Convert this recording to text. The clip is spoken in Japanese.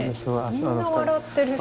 みんな笑ってるし。